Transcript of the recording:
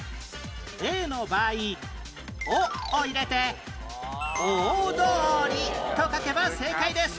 例の場合「お」を入れて「おおどおり」と書けば正解です